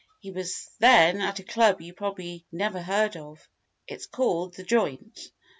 "He was then at a club you probably never heard of. It's called 'The Joint'.